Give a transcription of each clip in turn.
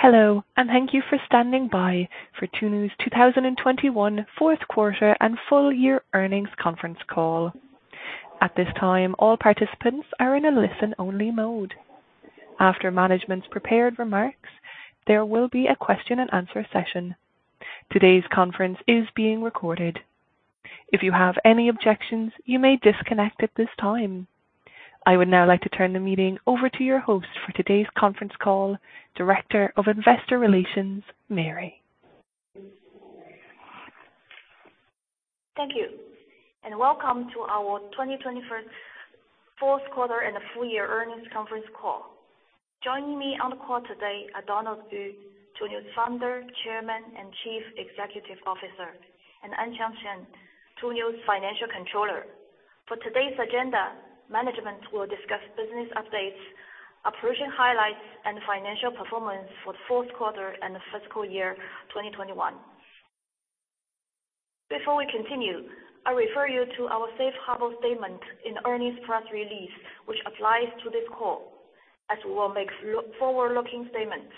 Hello, and thank you for standing by for Tuniu's 2021 Fourth Quarter and Full Year Earnings Conference Call. At this time, all participants are in a listen only mode. After management's prepared remarks, there will be a question-and-answer session. Today's conference is being recorded. If you have any objections, you may disconnect at this time. I would now like to turn the meeting over to your host for today's conference call, Director of Investor Relations, Mary. Thank you, and welcome to our 2021 Fourth Quarter and Full Year Earnings Conference Call. Joining me on the call today are Donald Yu, Tuniu's Founder, Chairman, and Chief Executive Officer, and Anqiang Chen, Tuniu's Financial Controller. For today's agenda, management will discuss business updates, operational highlights, and financial performance for the fourth quarter and fiscal year 2021. Before we continue, I refer you to our safe harbor statement in the earnings press release, which applies to this call, as we will make forward-looking statements.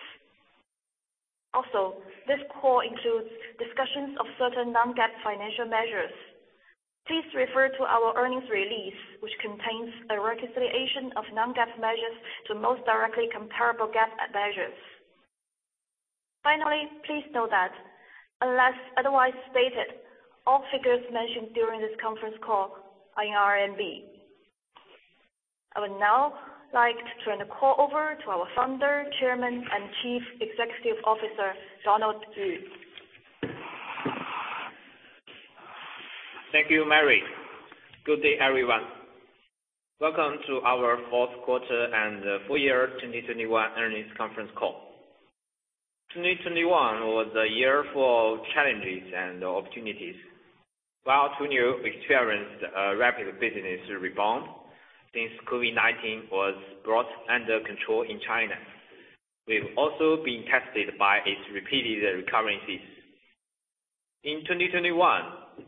Also, this call includes discussions of certain non-GAAP financial measures. Please refer to our earnings release, which contains a reconciliation of non-GAAP measures to most directly comparable GAAP measures. Finally, please note that unless otherwise stated, all figures mentioned during this conference call are in RMB. I would now like to turn the call over to our Founder, Chairman, and Chief Executive Officer, Donald Yu. Thank you, Mary. Good day, everyone. Welcome to our fourth quarter and full year 2021 earnings conference call. 2021 was a year full of challenges and opportunities. While Tuniu experienced a rapid business rebound since COVID-19 was brought under control in China, we've also been tested by its repeated recurrences. In 2021,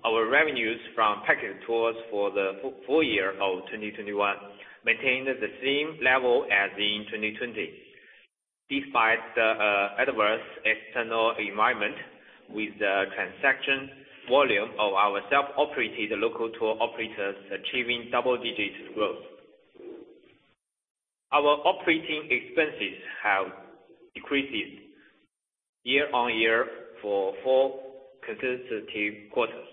our revenues from package tours for the full year of 2021 maintained the same level as in 2020. Despite the adverse external environment, with the transaction volume of our self-operated local tour operators achieving double-digit growth, our operating expenses have decreased year-on-year for four consecutive quarters,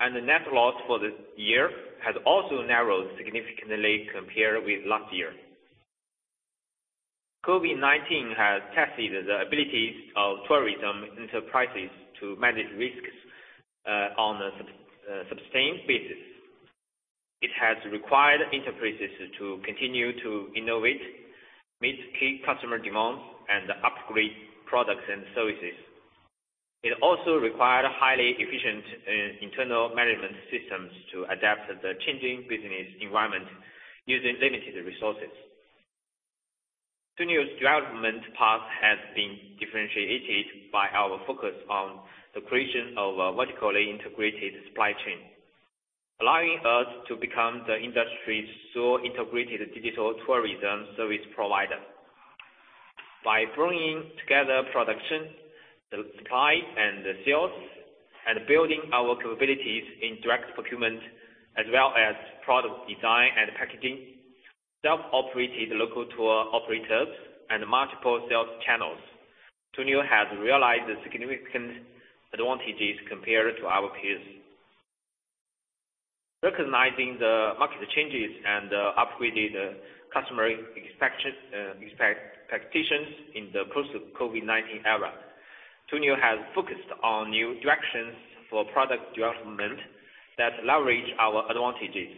and the net loss for the year has also narrowed significantly compared with last year. COVID-19 has tested the ability of tourism enterprises to manage risks on a sustained basis. It has required enterprises to continue to innovate, meet key customer demands, and upgrade products and services. It also required highly efficient internal management systems to adapt to the changing business environment using limited resources. Tuniu's development path has been differentiated by our focus on the creation of a vertically integrated supply chain, allowing us to become the industry's sole integrated digital tourism service provider. By bringing together production, the supply, and the sales, and building our capabilities in direct procurement, as well as product design and packaging, self-operated local tour operators and multiple sales channels, Tuniu has realized significant advantages compared to our peers. Recognizing the market changes and upgraded customer expectations in the post COVID-19 era, Tuniu has focused on new directions for product development that leverage our advantages.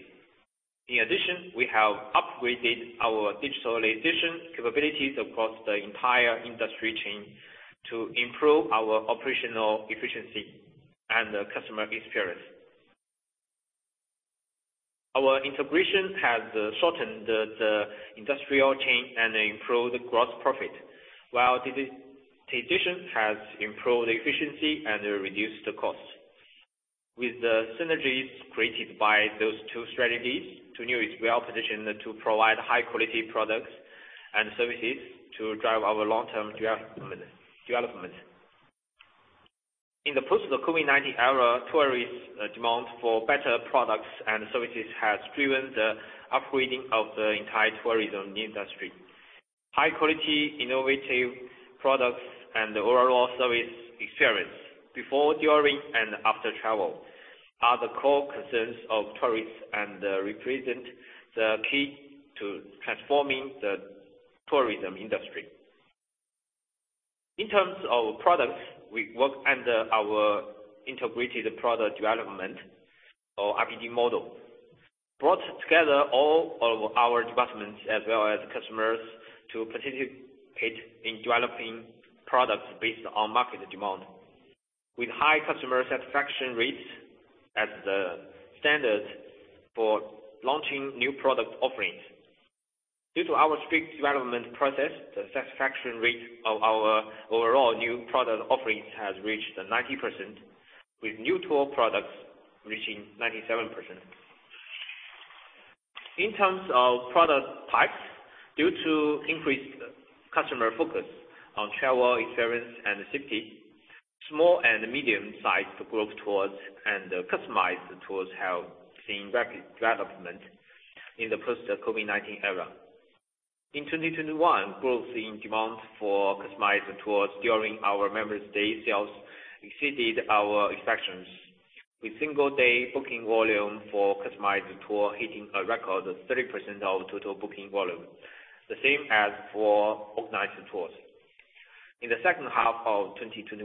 In addition, we have upgraded our digitalization capabilities across the entire industry chain to improve our operational efficiency and customer experience. Our integration has shortened the industry chain and improved gross profit, while digitization has improved efficiency and reduced costs. With the synergies created by those two strategies, Tuniu is well-positioned to provide high quality products and services to drive our long-term development. In the post-COVID-19 era, tourists' demand for better products and services has driven the upgrading of the entire tourism industry. High quality, innovative products and overall service experience before, during, and after travel are the core concerns of tourists and represent the key to transforming the tourism industry. In terms of products, we work under our integrated product development or IPD model, brought together all of our departments as well as customers to participate in developing products based on market demand. With high customer satisfaction rates as the standard for launching new product offerings. Due to our strict development process, the satisfaction rate of our overall new product offerings has reached 90%, with new tour products reaching 97%. In terms of product types, due to increased customer focus on travel experience and safety, small and medium-sized group tours and customized tours have seen rapid development in the post-COVID-19 era. In 2021, growth in demand for customized tours during our Members' Day sales exceeded our expectations, with single-day booking volume for customized tours hitting a record of 30% of total booking volume, the same as for organized tours. In the second half of 2021,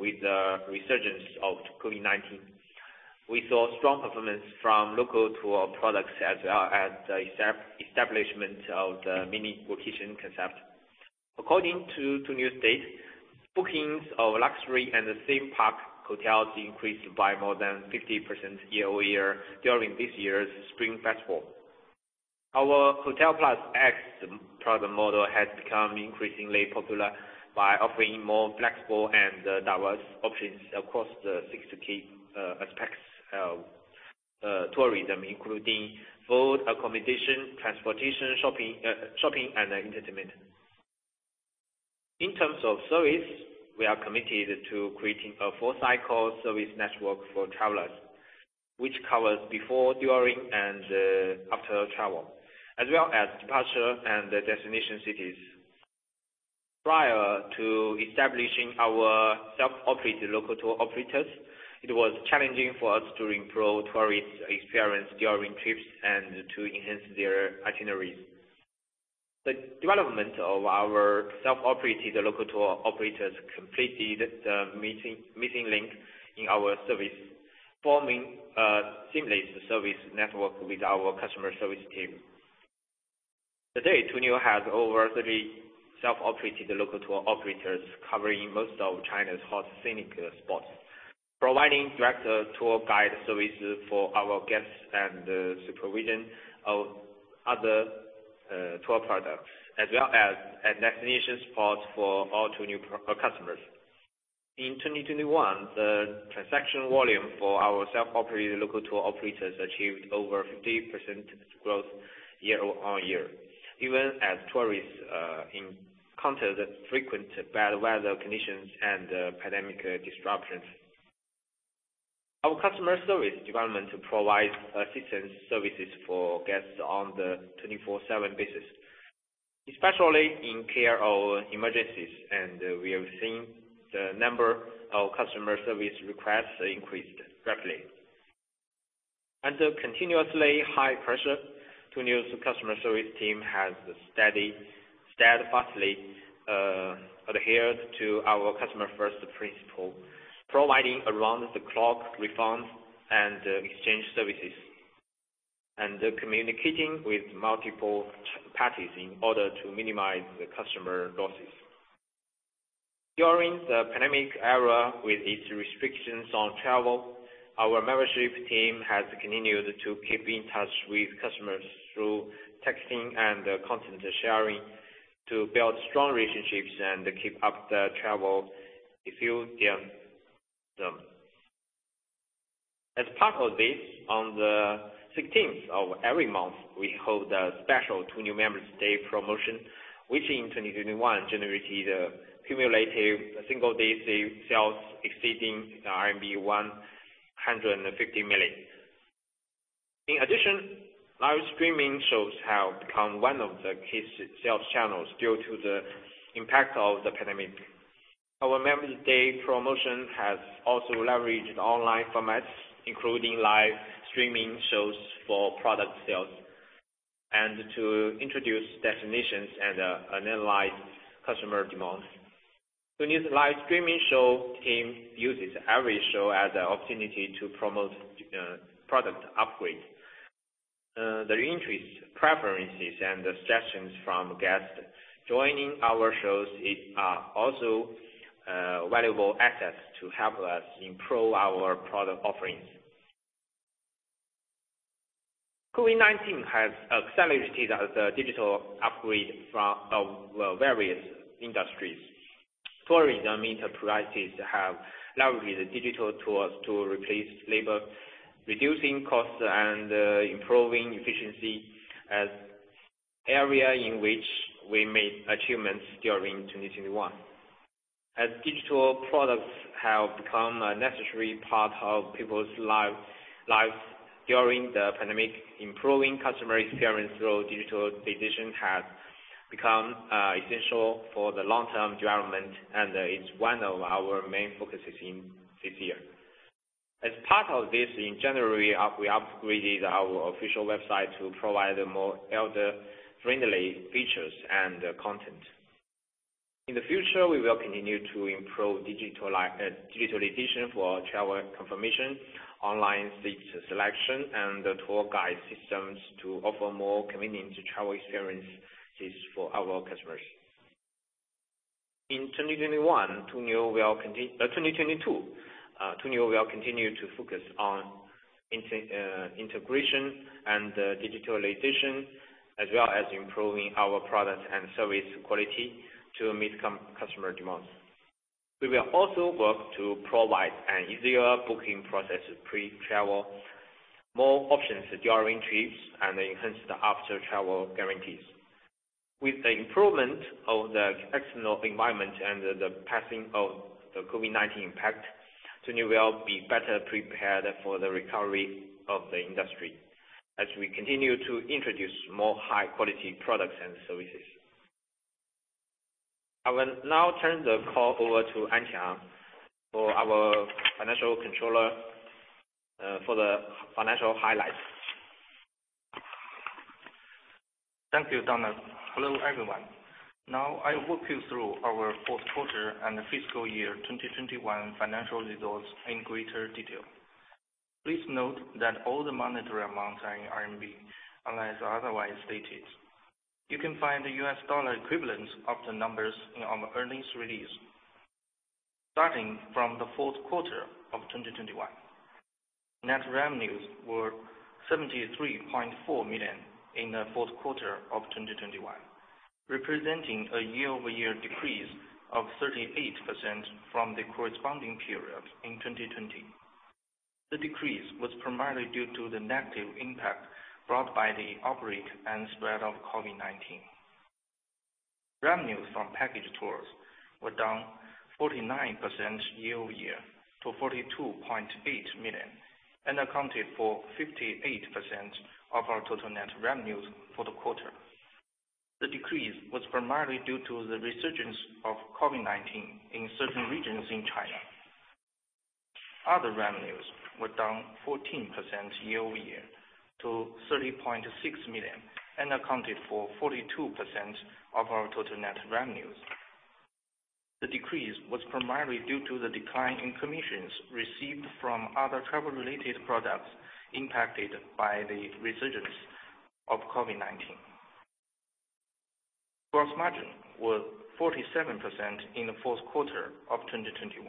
with the resurgence of COVID-19, we saw strong performance from local tour products as well as establishment of the mini vacation concept. According to Tuniu's data, bookings of luxury and theme park hotels increased by more than 50% year-over-year during this year's Spring Festival. Our Hotel Plus X product model has become increasingly popular by offering more flexible and diverse options across the six key aspects of tourism, including food, accommodation, transportation, shopping, and entertainment. In terms of service, we are committed to creating a full-cycle service network for travelers, which covers before, during, and after travel, as well as departure and destination cities. Prior to establishing our self-operated local tour operators, it was challenging for us to improve tourists' experience during trips and to enhance their itineraries. The development of our self-operated local tour operators completed the missing link in our service, forming a seamless service network with our customer service team. Today, Tuniu has over 30 self-operated local tour operators covering most of China's hot scenic spots, providing direct tour guide services for our guests and supervision of other tour products, as well as destination spots for all Tuniu product customers. In 2021, the transaction volume for our self-operated local tour operators achieved over 50% growth year-on-year, even as tourists encountered frequent bad weather conditions and pandemic disruptions. Our customer service department provides assistance services for guests on the 24/7 basis, especially in case of emergencies, and we have seen the number of customer service requests increased rapidly. Under continuously high pressure, Tuniu's customer service team has steadfastly adhered to our customer-first principle, providing around-the-clock refunds and exchange services, and communicating with multiple third parties in order to minimize the customer losses. During the pandemic era, with its restrictions on travel, our membership team has continued to keep in touch with customers through texting and content sharing to build strong relationships and keep up the travel enthusiasm. As part of this, on the sixteenth of every month, we hold a special Tuniu Members' Day promotion, which in 2021 generated a cumulative single-day sales exceeding 150 million. In addition, live streaming shows have become one of the key sales channels due to the impact of the pandemic. Our Members' Day promotion has also leveraged online formats, including live streaming shows for product sales and to introduce destinations and analyze customer demands. Tuniu's live streaming show team uses every show as an opportunity to promote product upgrades. The interest, preferences, and suggestions from guests joining our shows are also valuable assets to help us improve our product offerings. COVID-19 has accelerated the digital upgrade of various industries. Tourism enterprises have leveraged digital tools to replace labor, reducing costs and improving efficiency, an area in which we made achievements during 2021. As digital products have become a necessary part of people's lives during the pandemic, improving customer experience through digitalization has become essential for the long-term development, and it's one of our main focuses in this year. As part of this, in January, we upgraded our official website to provide more elder-friendly features and content. In the future, we will continue to improve digitalization for travel confirmation, online seat selection, and tour guide systems to offer more convenient travel experiences for our customers. 2022, Tuniu will continue to focus on integration and digitalization, as well as improving our product and service quality to meet customer demands. We will also work to provide an easier booking process pre-travel, more options during trips, and enhance the after-travel guarantees. With the improvement of the external environment and the passing of the COVID-19 impact, Tuniu will be better prepared for the recovery of the industry as we continue to introduce more high-quality products and services. I will now turn the call over to Anqiang, our Financial Controller, for the financial highlights. Thank you, Donald. Hello, everyone. Now I'll walk you through our fourth quarter and fiscal year 2021 financial results in greater detail. Please note that all the monetary amounts are in RMB, unless otherwise stated. You can find the US dollar equivalents of the numbers in our earnings release. Starting from the fourth quarter of 2021, net revenues were RMB 73.4 million, representing a 38% year-over-year decrease from the corresponding period in 2020. The decrease was primarily due to the negative impact brought by the outbreak and spread of COVID-19. Revenues from package tours were down 49% year-over-year to 42.8 million and accounted for 58% of our total net revenues for the quarter. The decrease was primarily due to the resurgence of COVID-19 in certain regions in China. Other revenues were down 14% year-over-year to 30.6 million and accounted for 42% of our total net revenues. The decrease was primarily due to the decline in commissions received from other travel-related products impacted by the resurgence of COVID-19. Gross margin was 47% in the fourth quarter of 2021,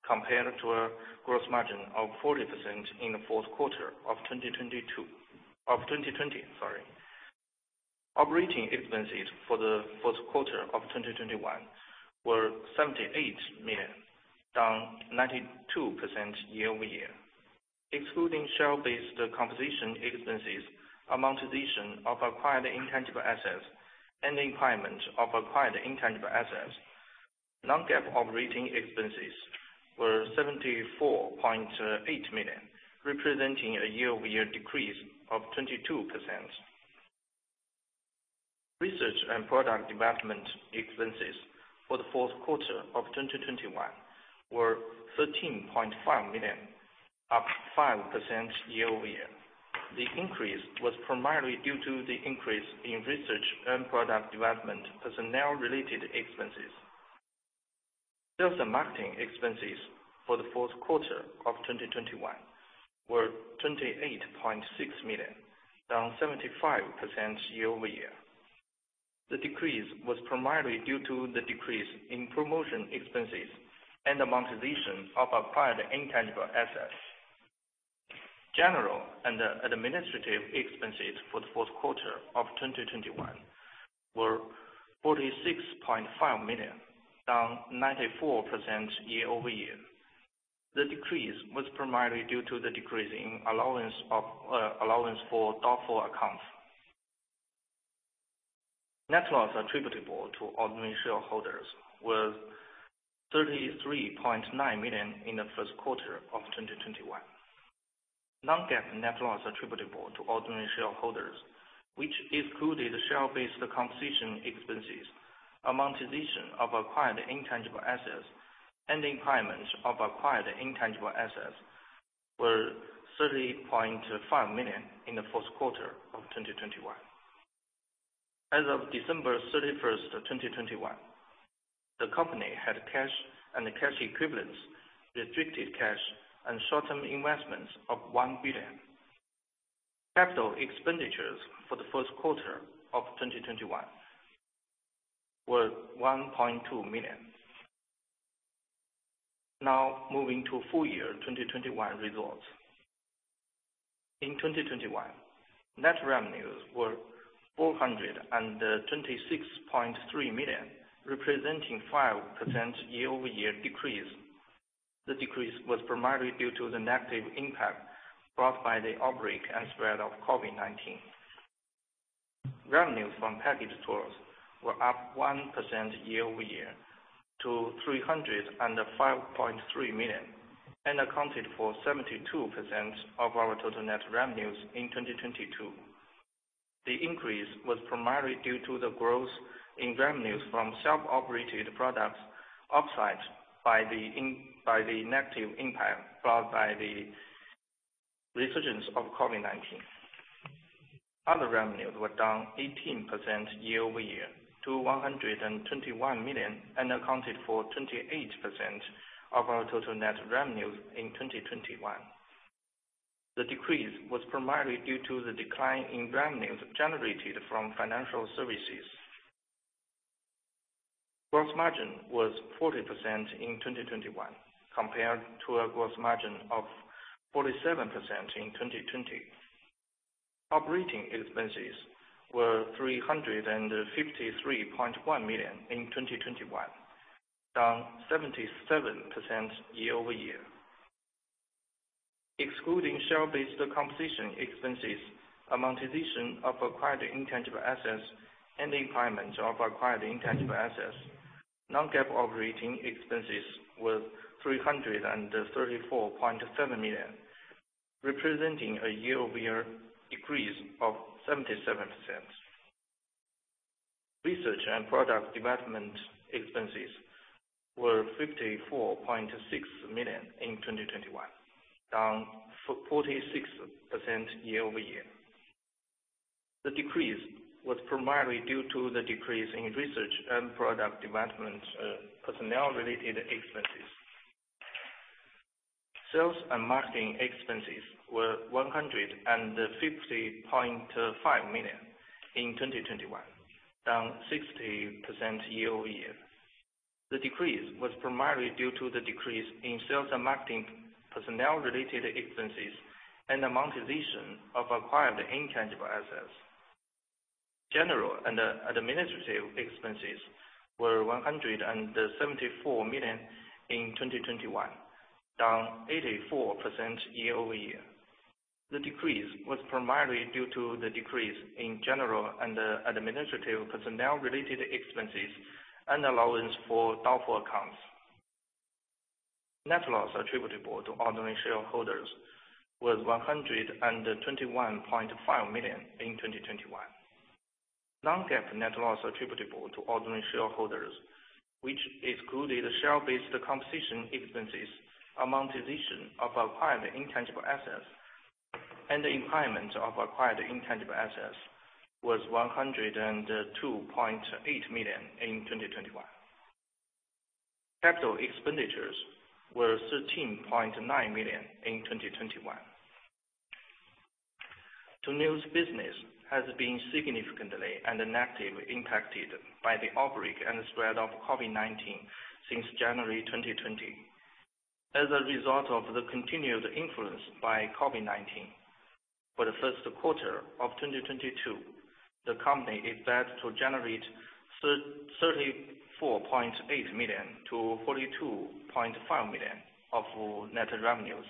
compared to a gross margin of 40% in the fourth quarter of 2020. Operating expenses for the fourth quarter of 2021 were 78 million, down 92% year-over-year. Excluding share-based compensation expenses, amortization of acquired intangible assets, and the impairment of acquired intangible assets, non-GAAP operating expenses were 74.8 million, representing a year-over-year decrease of 22%. Research and product development expenses for the fourth quarter of 2021 were 13.5 million, up 5% year-over-year. The increase was primarily due to the increase in research and product development personnel-related expenses. Sales and marketing expenses for the fourth quarter of 2021 were 28.6 million, down 75% year-over-year. The decrease was primarily due to the decrease in promotion expenses and amortization of acquired intangible assets. General and administrative expenses for the fourth quarter of 2021 were 46.5 million, down 94% year-over-year. The decrease was primarily due to the decrease in allowance for doubtful accounts. Net loss attributable to ordinary shareholders was 33.9 million in the first quarter of 2021. Non-GAAP net loss attributable to ordinary shareholders, which excluded share-based compensation expenses, amortization of acquired intangible assets, and impairment of acquired intangible assets, were 30.5 million in the fourth quarter of 2021. As of 31 December 2021, the company had cash and cash equivalents, restricted cash and short-term investments of 1 billion. Capital expenditures for the first quarter of 2021 were RMB 1.2 million. Now, moving to full year 2021 results. In 2021, net revenues were 426.3 million, representing 5% year-over-year decrease. The decrease was primarily due to the negative impact brought by the outbreak and spread of COVID-19. Revenues from package tours were up 1% year-over-year to 305.3 million and accounted for 72% of our total net revenues in 2022. The increase was primarily due to the growth in revenues from self-operated products, offset by the negative impact brought by the resurgence of COVID-19. Other revenues were down 18% year-over-year to 121 million and accounted for 28% of our total net revenues in 2021. The decrease was primarily due to the decline in revenues generated from financial services. Gross margin was 40% in 2021, compared to a gross margin of 47% in 2020. Operating expenses were 353.1 million in 2021, down 77% year-over-year, excluding share-based compensation expenses, amortization of acquired intangible assets, and the impairment of acquired intangible assets. Non-GAAP operating expenses was 334.7 million, representing a year-over-year decrease of 77%. Research and product development expenses were 54.6 million in 2021, down 46% year-over-year. The decrease was primarily due to the decrease in research and product development, personnel related expenses. Sales and marketing expenses were 150.5 million in 2021, down 60% year-over-year. The decrease was primarily due to the decrease in sales and marketing personnel related expenses and amortization of acquired intangible assets. General and administrative expenses were 174 million in 2021, down 84% year-over-year. The decrease was primarily due to the decrease in general and administrative personnel related expenses and allowance for doubtful accounts. Net loss attributable to ordinary shareholders was 121.5 million in 2021. non-GAAP net loss attributable to ordinary shareholders, which excluded share-based compensation expenses, amortization of acquired intangible assets, and the impairment of acquired intangible assets, was 102.8 million in 2021. Capital expenditures were 13.9 million in 2021. Tuniu's business has been significantly and negatively impacted by the outbreak and spread of COVID-19 since January 2020. As a result of the continued influence by COVID-19 for the first quarter of 2022, the company expects to generate 34.8 to 42.5 million of net revenues,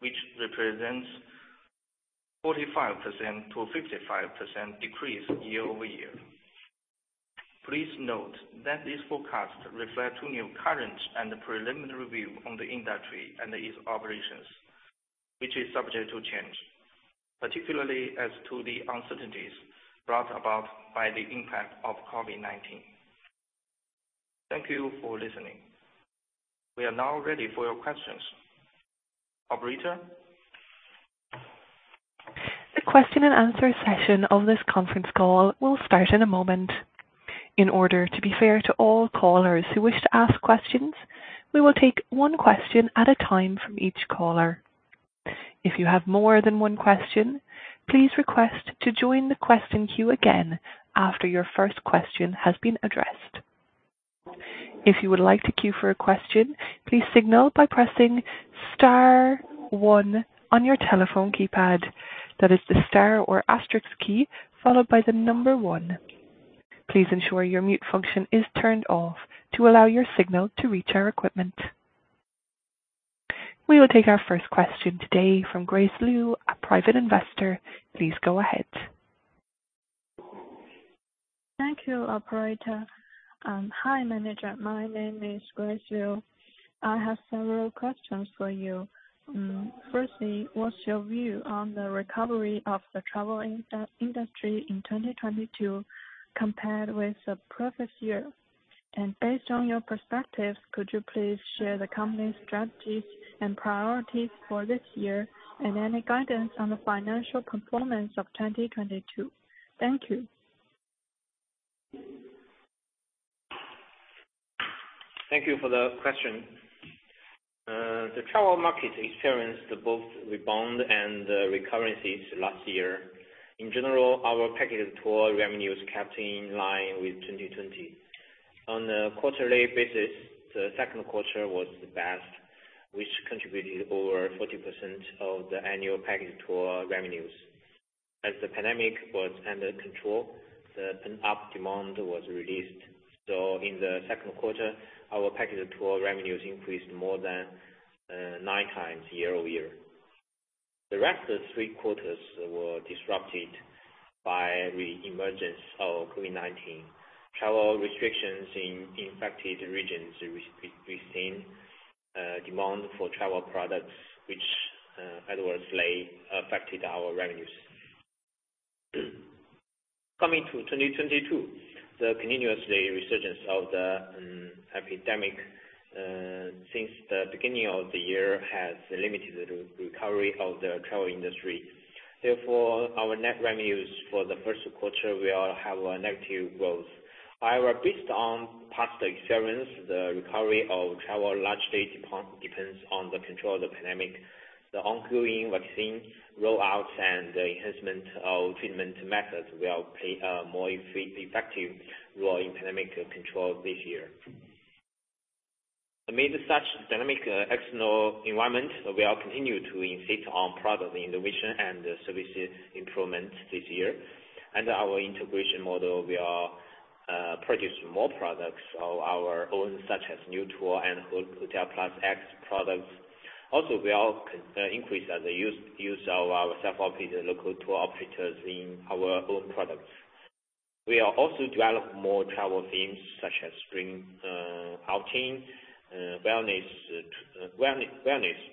which represents 45% to 55% decrease year-over-year. Please note that these forecasts reflect Tuniu's current and preliminary view on the industry and its operations, which is subject to change, particularly as to the uncertainties brought about by the impact of COVID-19. Thank you for listening. We are now ready for your questions. Operator? The question-and-answer session of this conference call will start in a moment. In order to be fair to all callers who wish to ask questions, we will take one question at a time from each caller. If you have more than one question, please request to join the question queue again after your first question has been addressed. If you would like to queue for a question, please signal by pressing star one on your telephone keypad. That is the star or asterisk key, followed by the number one. Please ensure your mute function is turned off to allow your signal to reach our equipment. We will take our first question today from Grace Lu, a private investor. Please go ahead. Thank you, operator. Hi, manager. My name is Grace Lu. I have several questions for you. Firstly, what's your view on the recovery of the travel industry in 2022 compared with the previous year? Based on your perspectives, could you please share the company's strategies and priorities for this year and any guidance on the financial components of 2022? Thank you. Thank you for the question. The travel market experienced both rebound and recovery since last year. In general, our package tour revenues kept in line with 2020. On a quarterly basis, the second quarter was the best, which contributed over 40% of the annual package tour revenues. As the pandemic was under control, the pent-up demand was released. In the second quarter, our package tour revenues increased more than 9x year-over-year. The rest of three quarters were disrupted by the emergence of COVID-19. Travel restrictions in infected regions restrained demand for travel products, which adversely affected our revenues. Coming to 2022, the continuous resurgence of the epidemic since the beginning of the year has limited the recovery of the travel industry. Therefore, our net revenues for the first quarter will have a negative growth. However, based on past experience, the recovery of travel largely depends on the control of the pandemic. The ongoing vaccine rollouts and the enhancement of treatment methods will play a more effective role in pandemic control this year. Amid such dynamic external environment, we are continuing to insist on product innovation and service improvement this year. Under our integration model, we are producing more products of our own, such as new tour and Hotel+ X products. Also, we are increasing the use of our self-operated local tour operators in our own products. We are also developing more travel themes such as spring outing, wellness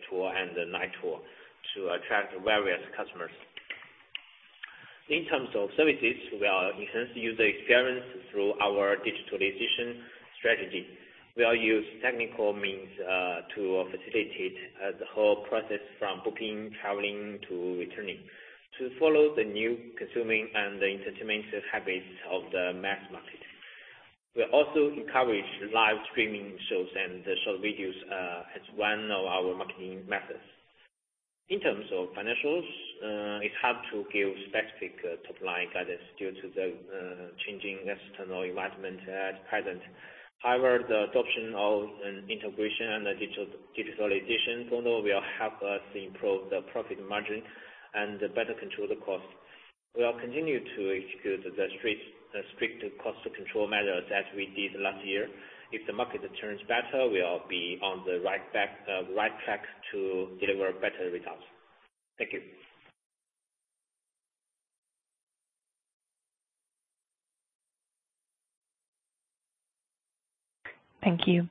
tour, and the night tour to attract various customers. In terms of services, we are enhancing user experience through our digitalization strategy. We are use technical means to facilitate the whole process from booking, traveling, to returning, to follow the new consumption and the entertainment habits of the mass market. We also encourage live streaming shows and short videos as one of our marketing methods. In terms of financials, it's hard to give specific top-line guidance due to the changing external environment at present. However, the adoption of an integration and a digitalization program will help us improve the profit margin and better control the cost. We continue to execute the strict cost control measures as we did last year. If the market returns better, we'll be on the right track to deliver better results. Thank you. Thank you.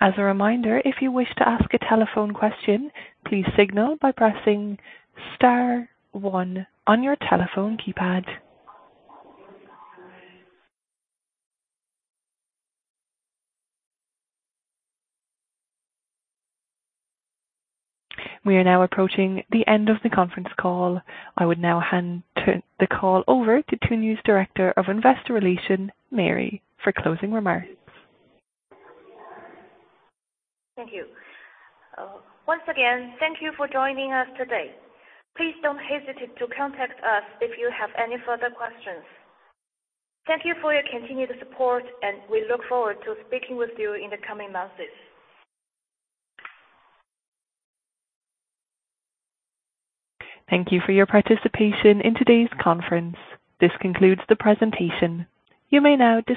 As a reminder, if you wish to ask a telephone question, please signal by pressing star one on your telephone keypad. We are now approaching the end of the conference call. I would now hand the call over to Tuniu's Director of Investor Relations, Mary, for closing remarks. Thank you. Once again, thank you for joining us today. Please don't hesitate to contact us if you have any further questions. Thank you for your continued support, and we look forward to speaking with you in the coming months. Thank you for your participation in today's conference. This concludes the presentation. You may now disconnect.